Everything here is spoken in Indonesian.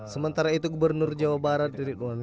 sementara itu gubernur jawa barat ridwan